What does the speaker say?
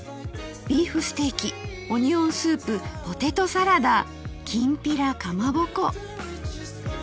「ビーフステーキオニオンスープポテトサラダきんぴらかまぼこ」